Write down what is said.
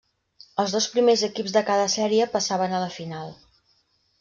Els dos primers equips de cada sèrie passaven a la final.